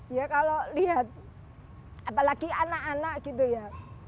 ya kalau lihat apalagi anak anak gitu ya